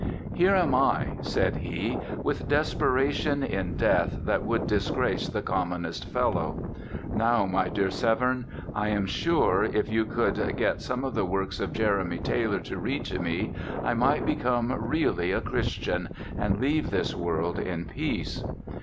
"Here am I," said he, "with desperation in death that would disgrace the commonest fellow. Now, my dear Severn, I am sure, if you could get some of the works of Jeremy Taylor to read to me, I might become really a Christian, and leave this world in peace."